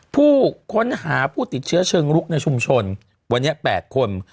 ผู้ค้นหาผู้ติดเชื้อเชิงลุกในชุมชนวันนี้๘คน